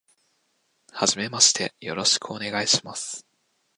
初めましてよろしくお願いします。